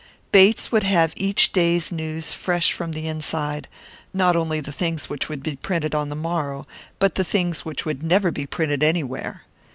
Bates would have each day's news fresh from the inside; not only the things which would be printed on the morrow, but the things which would never be printed anywhere.